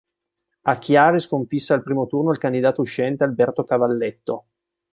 A Chiari sconfisse al primo turno il candidato uscente Alberto Cavalletto.